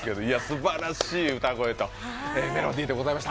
すばらしい歌声とメロディーでございました